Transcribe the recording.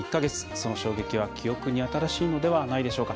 その衝撃は記憶に新しいのではないでしょうか。